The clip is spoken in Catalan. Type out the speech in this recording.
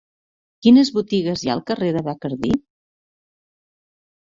Quines botigues hi ha al carrer de Bacardí?